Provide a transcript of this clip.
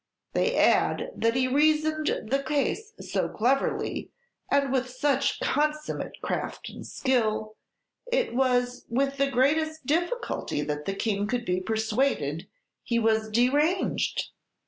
They add that he reasoned the case so cleverly, and with such consummate craft and skill, it was with the greatest difficulty that the King could be persuaded that he was deranged.